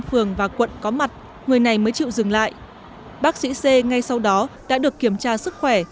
phường và quận có mặt người này mới chịu dừng lại bác sĩ c ngay sau đó đã được kiểm tra sức khỏe